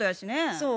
そう。